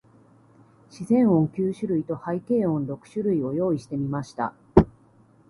自然音九種類と、背景音六種類を用意してみました。